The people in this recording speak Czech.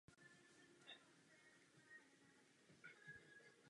Zároveň byl i kandidátem této koalice na post primátora Hlavního města Prahy.